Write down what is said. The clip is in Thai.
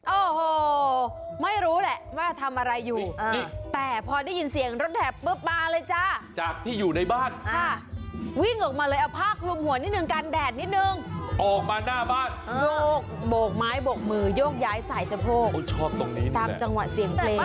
โอ้โหไม่รู้แหละว่าทำอะไรอยู่นี่แต่พอได้ยินเสียงรถแหบปุ๊บมาเลยจ้าจากที่อยู่ในบ้านค่ะวิ่งออกมาเลยเอาผ้าคลุมหัวนิดนึงกันแดดนิดนึงออกมาหน้าบ้านโยกโบกไม้โบกมือโยกย้ายสายสะโพกโอ้ชอบตรงนี้ตามจังหวะเสียงเพลง